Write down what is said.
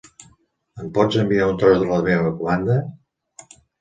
Em pots enviar un tros de la meva comanda?